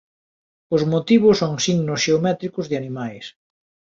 Os motivos son signos xeométricos de animais.